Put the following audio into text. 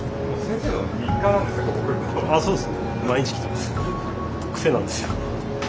癖なんですよ。